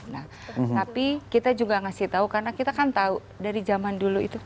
nah tapi kita juga ngasih tahu karena kita kan tahu dari zaman dulu itu